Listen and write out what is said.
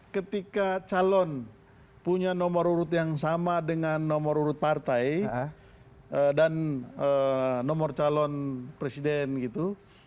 ketika calon punya nomor urut yang sama dengan nomor urut partai dan nomor calon presiden gitu